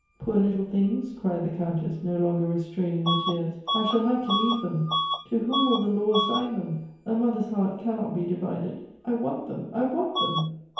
"Poor little things!" cried the Countess, no longer restraining her tears, "I shall have to leave them. To whom will the law assign them? A mother's heart cannot be divided; I want them, I want them."